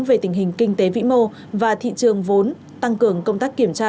về tình hình kinh tế vĩ mô và thị trường vốn tăng cường công tác kiểm tra